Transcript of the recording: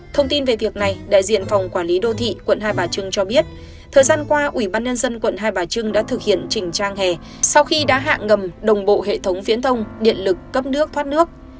thông tin về việc này đại diện phòng quản lý đô thị quận hai bà trưng cho biết thời gian qua ủy ban nhân dân quận hai bà trưng đã thực hiện chỉnh trang hè sau khi đã hạ ngầm đồng bộ hệ thống viễn thông điện lực cấp nước thoát nước